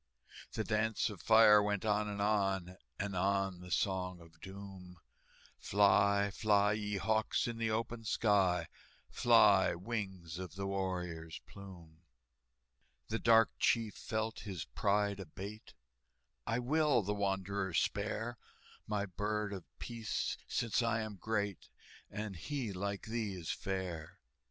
The dance of fire went on and on, And on the Song of Doom, "Fly, fly, ye hawks, in the open sky, Fly, wings of the warrior's plume!" The dark chief felt his pride abate: "I will the wanderer spare, My Bird of Peace, since I am great, And he, like thee, is fair!"